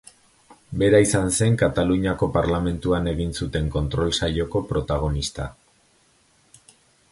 Bera izan zen Kataluniako Parlamentuan egin zuten kontrol saioko protagonista.